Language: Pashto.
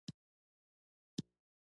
علي ډېری وخت په غوسه کې روض غږوي.